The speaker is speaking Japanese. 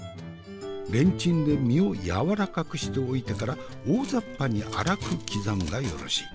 レンチンで身をやわらかくしておいてから大ざっぱに粗く刻むがよろし。